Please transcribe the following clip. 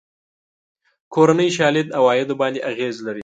کورنۍ شالید عوایدو باندې اغېز لري.